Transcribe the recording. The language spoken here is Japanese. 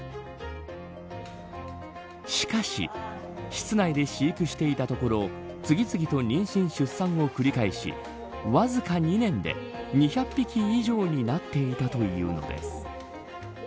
しかし室内で飼育していたところ次々と妊娠、出産を繰り返しわずか２年で、２００匹以上になっていたというのです。